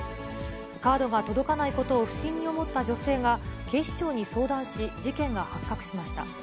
カードが届かないことを不審に思った女性が警視庁に相談し、事件が発覚しました。